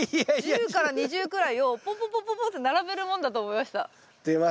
１０から２０くらいをポンポンポンポンポンって並べるもんだと思いました。